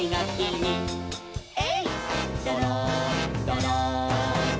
「えいっどろんどろん」